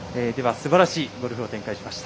すばらしいゴルフを展開しました